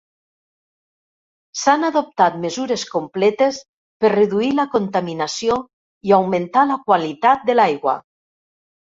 S'han adoptat mesures completes per reduir la contaminació i augmentar la qualitat de l'aigua.